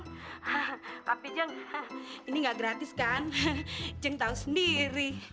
tapi jeng ini nggak gratis kan jeng tahu sendiri